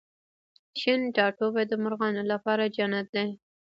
شین ټاټوبی د مرغانو لپاره جنت دی